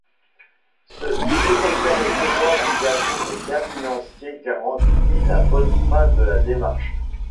Ce désintéressement vis-à-vis des gains financiers garantit la bonne fin de la démarche.